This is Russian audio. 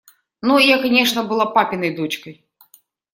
Но я, конечно, была папиной дочкой.